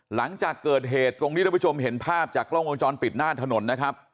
หลังจากเกิดเหตุตรงนี้ท่านผู้ชมเห็นภาพจากกล้องวงจรปิดหน้าถนนนะครับ